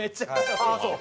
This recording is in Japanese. ああそう？